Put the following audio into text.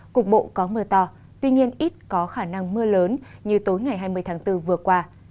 cục bộ có mưa to tuy nhiên ít có khả năng mưa lớn như tối ngày hai mươi tháng bốn vừa qua